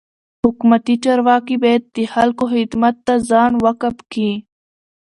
حکومتي چارواکي باید د خلکو خدمت ته ځان وقف کي.